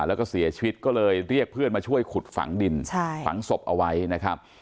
แล้วก็เสียชีวิตก็เลยเรียกเพื่อนมาช่วยขุดฝังดินฝังศพเอาไว้นะครับ